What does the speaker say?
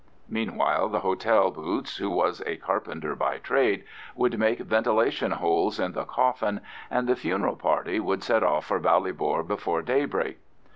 Meanwhile the hotel boots, who was a carpenter by trade, would make ventilation holes in the coffin, and the "funeral" party would set off for Ballybor before daybreak.